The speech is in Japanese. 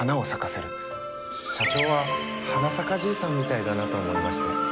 社長ははなさかじいさんみたいだなと思いまして。